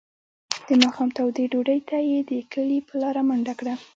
د ماښام تودې ډوډۍ ته یې د کلي په لاره منډه کړه.